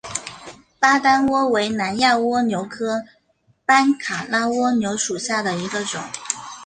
巴丹蜗为南亚蜗牛科班卡拉蜗牛属下的一个种。